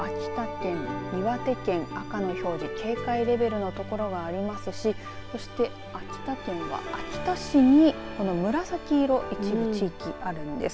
秋田県、岩手県、赤の表示警戒レベルのところがありますしそして秋田県は秋田市に紫色、一部地域にあるんです。